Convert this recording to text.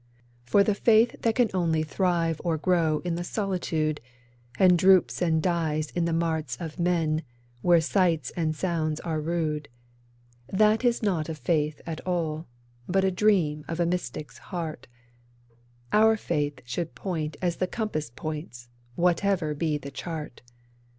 For the faith that can only thrive or grow in the solitude, And droops and dies in the marts of men, where sights and sounds are rude; That is not a faith at all, but a dream of a mystic's heart; Our faith should point as the compass points, whatever be the chart.